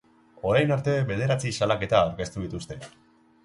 Orain arte bederatzi salaketa aurkeztu dituzte.